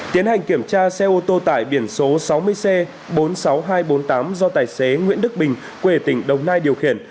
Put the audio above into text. tiến hành kiểm tra xe ô tô tải biển số sáu mươi c bốn mươi sáu nghìn hai trăm bốn mươi tám do tài xế nguyễn đức bình quê tỉnh đồng nai điều khiển